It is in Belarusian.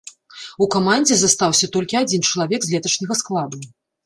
У камандзе застаўся толькі адзін чалавек з леташняга складу.